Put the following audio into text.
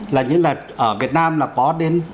là như là ở việt nam là có đến